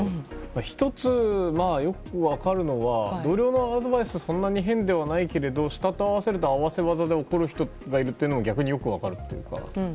１つよく分かるのは同僚のアドバイスはそんなに変ではないけれど下と合わせると怒る人がいるのも逆によく分かるというか。